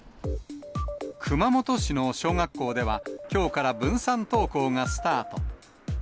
熊本市の小学校では、きょうから分散登校がスタート。